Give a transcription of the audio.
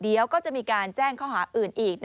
เดี๋ยวก็จะมีการแจ้งข้อหาอื่นอีก